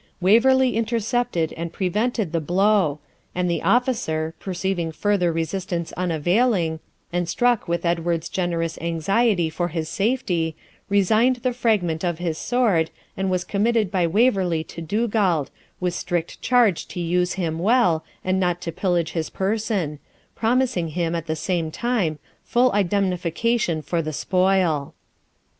Waverley intercepted and prevented the blow, and the officer, perceiving further resistance unavailing, and struck with Edward's generous anxiety for his safety, resigned the fragment of his sword, and was committed by Waverley to Dugald, with strict charge to use him well, and not to pillage his person, promising him, at the same time, full indemnification for the spoil.